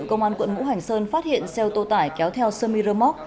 công an quận ngũ hành sơn phát hiện xe ô tô tải kéo theo semi ramok